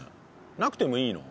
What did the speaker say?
なくてもいいの？